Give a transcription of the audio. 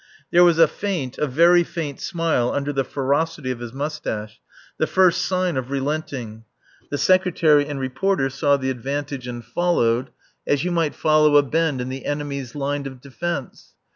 There was a faint, a very faint smile under the ferocity of his moustache, the first sign of relenting. The Secretary and Reporter saw the advantage and followed, as you might follow a bend in the enemy's line of defence.